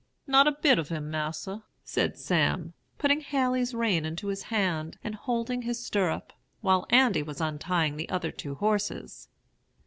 "'Not a bit of him, Mas'r,' said Sam, putting Haley's rein into his hand and holding his stirrup, while Andy was untying the other two horses.